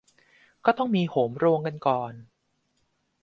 ก็ต้องมีโหมโรงกันก่อน